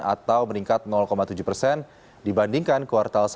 atau meningkat tujuh persen dibandingkan kuartal satu dua ribu delapan belas